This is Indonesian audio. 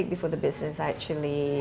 sebelum bisnis itu menjadi